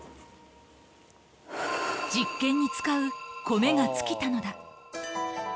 実験に使う米が尽きたのだ。